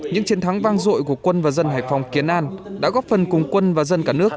những chiến thắng vang dội của quân và dân hải phòng kiến an đã góp phần cùng quân và dân cả nước